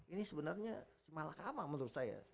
ini sebenarnya semalakama menurut saya